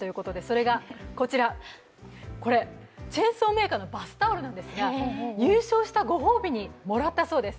それがこれ、チェーンソーメーカーのバスタオルなんですが優勝したご褒美にもらったそうです。